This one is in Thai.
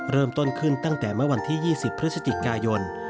เริ่มต้นขึ้นตั้งแต่เมื่อวันที่๒๐พย๒๕๑๕